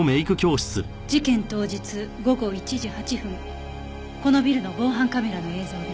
事件当日午後１時８分このビルの防犯カメラの映像です。